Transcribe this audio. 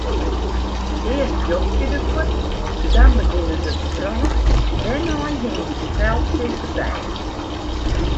Earst jokje de fuotten, dan begjinne se te brânen, dêrnei hingje de feltsjes derby.